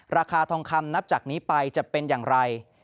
ราคาทองคำนับจากนี้ไปจะเป็นอย่างไร